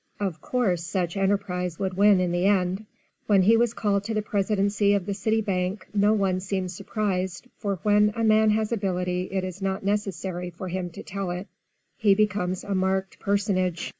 Of course such enterprise would win in the end; when he was called to the presidency of the city bank no one seemed surprised for when a man has ability it is not necessary for him to tell it he becomes a marked personage.